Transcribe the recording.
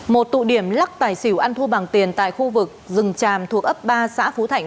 một tụ điểm lắc tài xỉu ăn thua bằng tiền tại khu vực rừng tràm thuộc ấp ba xã phú thạnh